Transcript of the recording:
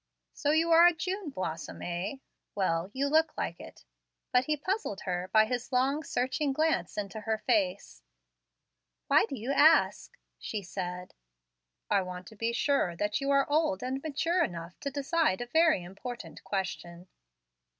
"So you are a June blossom, eh? Well, you look like it." But he puzzled her by his long, searching glance into her face. "Why do you ask?" she said. "I want to be sure that you are old and mature enough to decide a very important question."